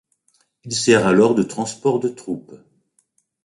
Il sert alors de transport de troupes.